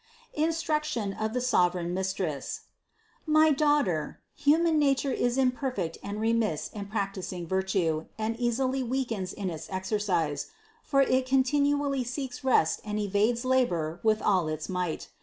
INSTRUCTION OF THE SOVEREIGN MISTRESS. 477. My daughter, human nature is imperfect and re miss in practicing virtue, and easily weakens in its exer cise ; for it continually seeks rest and evades labor with all its might.